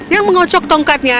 yang mengocok tongkatnya